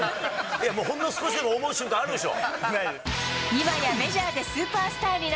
いや、ほんの少しでも思う瞬間あるでしょ。